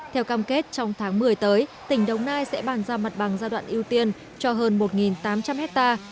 theo cam kết trong tháng một mươi tới tỉnh đồng nai sẽ bàn giao mặt bằng giai đoạn ưu tiên cho hơn một tám trăm linh hectare